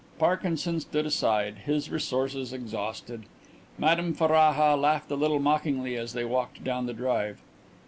Parkinson stood aside, his resources exhausted. Madame Ferraja laughed a little mockingly as they walked down the drive.